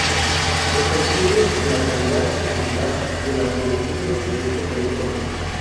Repercute en la calidad y cantidad de la producción de los productos agrícolas.